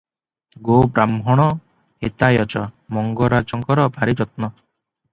'ଗୋ ବ୍ରାହ୍ମଣ ହିତାୟ ଚ' ମଙ୍ଗରାଜଙ୍ଗର ଭାରି ଯତ୍ନ ।